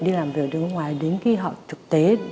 đi làm việc ở nước ngoài đến khi họ thực tế